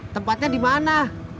tempatnya di mana